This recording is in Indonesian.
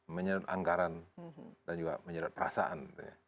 menyedot anggaran dan juga menyedot perasaan